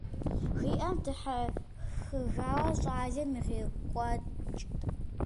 Жиӏэм дихьэхыжауэ щӏалэм ирикъутэкӏт.